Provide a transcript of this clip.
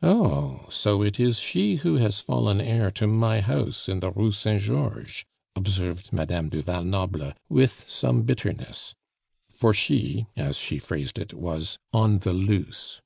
"Oh! so it is she who has fallen heir to my house in the Rue Saint Georges," observed Madame du Val Noble with some bitterness; for she, as she phrased it, was on the loose.